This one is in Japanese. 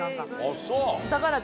あっそう。